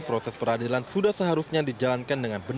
proses peradilan sudah seharusnya dijalankan dengan benar